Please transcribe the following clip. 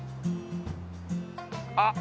あっ！